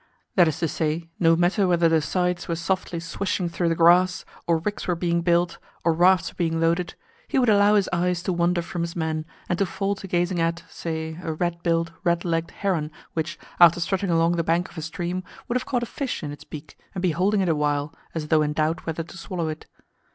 That is to say, no matter whether the scythes were softly swishing through the grass, or ricks were being built, or rafts were being loaded, he would allow his eyes to wander from his men, and to fall to gazing at, say, a red billed, red legged heron which, after strutting along the bank of a stream, would have caught a fish in its beak, and be holding it awhile, as though in doubt whether to swallow it.